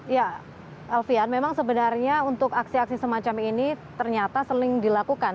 ya alfian memang sebenarnya untuk aksi aksi semacam ini ternyata sering dilakukan